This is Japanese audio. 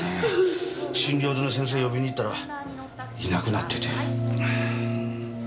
診療所の先生呼びに行ったらいなくなってて。